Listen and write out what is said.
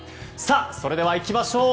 それでは、いきましょう。